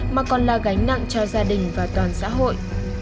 mà còn là gánh nặng cho gia đình và toàn xã hội